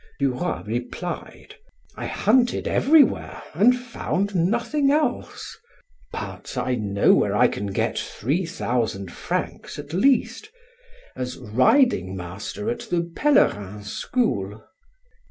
Duroy replied: "I hunted everywhere and found nothing else. But I know where I can get three thousand francs at least as riding master at the Pellerin school."